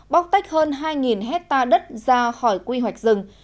bóc tách hơn hai hectare đất ra khỏi quy hoạch rừng